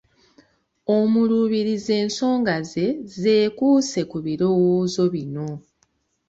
Omuluubirizi ensonga ze zeekuuse ku birowoozo bino